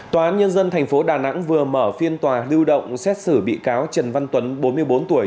tòa án nhân dân tp đà nẵng vừa mở phiên tòa lưu động xét xử bị cáo trần văn tuấn bốn mươi bốn tuổi